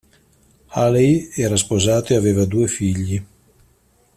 Healey era sposato e aveva due figli.